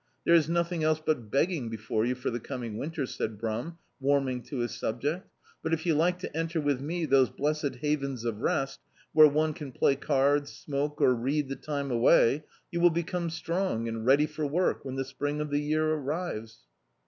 There is nothing else but beg ging before you, for the cwning winter," said Brum, warming to his subject, "but if you like to enter with me those blessed havens of rest, where one can play cards, smoke or read the time away, you will become strong and ready for work when the spring of the year arrives."